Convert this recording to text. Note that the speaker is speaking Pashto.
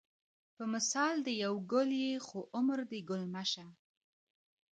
په مثال دې یو ګل یې خو عمر دې ګل مه شه